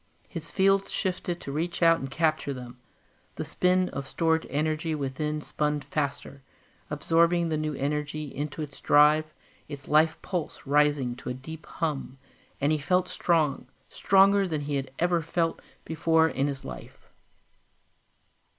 His fields shifted to reach out and capture them; the spin of stored energy within spun faster, absorbing the new energy into its drive, its life pulse rising to a deep hum, and he felt strong, stronger than he had ever felt before in his life.